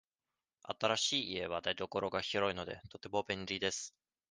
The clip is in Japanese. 新しい家は台所が広いので、とても便利です。